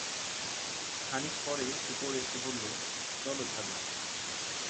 খানিক পরে উপরে এসে বললে, চলো ছাদে।